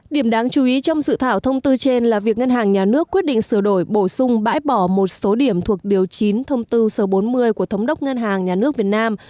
điểm đáng chú ý trong dự thảo thông tư trên là việc ngân hàng nhà nước quyết định sửa đổi bổ sung bãi bỏ một số điểm thuộc điều chín thông tư số bốn mươi của thống đốc ngân hàng nhà nước việt nam